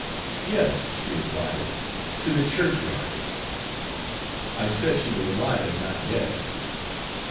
"Yes," she replied, "to the church yard." I said she was alive, and not dead.